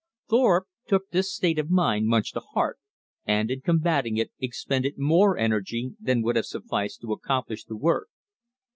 Thorpe took this state of mind much to heart, and in combating it expended more energy than would have sufficed to accomplish the work.